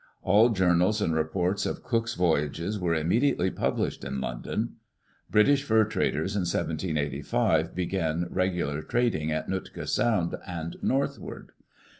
All journals and reports of Cook's voyages were immediately published in London. British fur traders, in 1785, began regular trading at Nootka Sound and northward.